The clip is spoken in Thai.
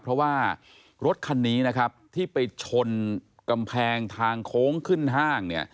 เพราะว่ารถคันนี้นะครับที่ไปชนกำแพงทางโค้งขึ้นห้างเนี่ย